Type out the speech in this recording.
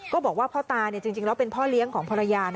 บอกว่าพ่อตาจริงแล้วเป็นพ่อเลี้ยงของภรรยา